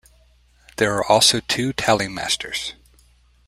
There are also two tally masters.